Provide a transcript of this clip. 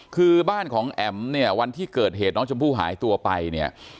คือบ้านของแอ๋มเนี่ยวันที่เกิดเหตุน้องชมพู่หายตัวไปเนี่ย